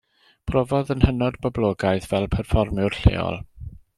Profodd yn hynod boblogaidd fel perfformiwr lleol.